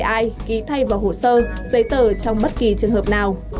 hãy ghi thay vào hồ sơ giấy tờ trong bất kỳ trường hợp nào